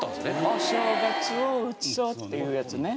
「お正月を写そう」っていうやつね。